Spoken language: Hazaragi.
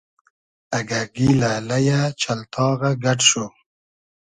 اگۂ گیلۂ ، لئیۂ ، چئلتاغۂ گئۮ شو